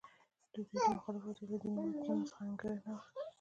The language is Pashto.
د دوی د مخالفت وجه له دیني متنونو څخه انګېرنه وه.